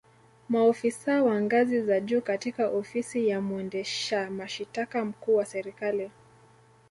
Maofisa wa ngazi za juu katika Ofisi ya mwendesha mashitaka mkuu wa Serikali